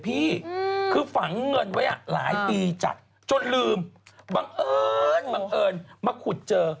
เลือกวันนี้หลายปีจัดที่รึงบางเอิญมาขุดเจอ